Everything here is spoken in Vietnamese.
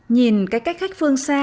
nhìn cái cách khách phương xa